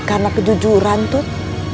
karena kejujuran tuh